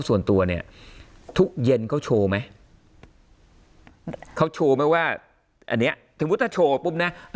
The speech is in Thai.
ส่วนตัวเนี่ยทุกเย็นเขาโชว์ไหมเขาโชว์ไหมว่าอันนี้สมมุติถ้าโชว์ปุ๊บนะ